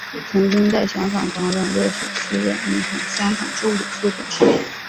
曾经在香港担任瑞士私人银行香港助理副总裁。